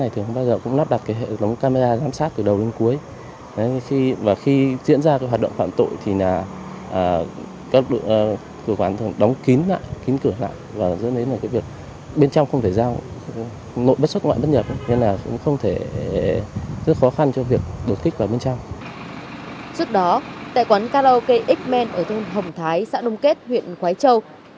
trước đó tại quán karaoke x men ở thôn hồng thái xã đông kết huyện quái châu